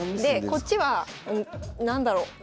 こっちは何だろう？